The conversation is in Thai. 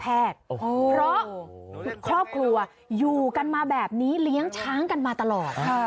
เพราะครอบครัวอยู่กันมาแบบนี้เลี้ยงช้างกันมาตลอด